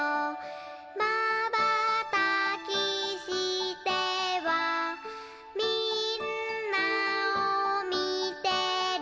「まばたきしてはみんなをみてる」